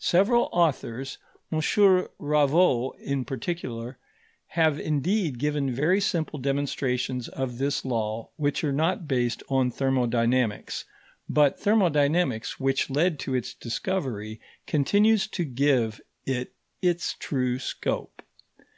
Several authors, M. Raveau in particular, have indeed given very simple demonstrations of this law which are not based on thermodynamics; but thermodynamics, which led to its discovery, continues to give it its true scope.